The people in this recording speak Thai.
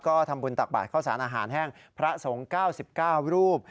ก็ทำบุญตักบาทเข้าสารอาหารแห้งพระสงฆ์๙๙รูป